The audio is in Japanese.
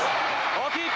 大きい！